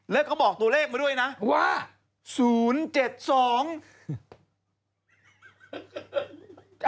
แล้วก็บอกตัวเลขมาด้วยนะว่า๐๗๒